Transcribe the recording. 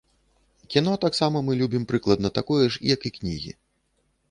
Кіно таксама мы любім прыкладна такое ж, як і кнігі.